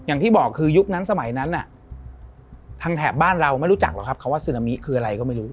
อย่างที่บอกคือยุคนั้นสมัยนั้นทางแถบบ้านเราไม่รู้จักหรอกครับคำว่าซึนามิคืออะไรก็ไม่รู้